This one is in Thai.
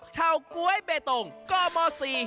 ชาวกวยเบตงก็มาสิ